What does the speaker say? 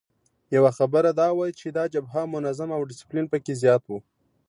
یوه خبره دا وه چې دا جبهه منظمه او ډسپلین پکې زیات وو.